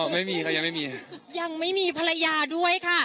ไม่มีค่ะยังไม่มีค่ะยังไม่มีภรรยาด้วยค่ะ